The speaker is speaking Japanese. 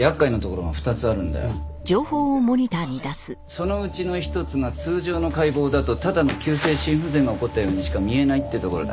そのうちの一つが通常の解剖だとただの急性心不全が起こったようにしか見えないってところだ。